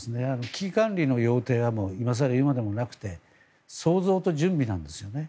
危機管理の要諦は今更、言うまでもなくて想像と準備なんですよね。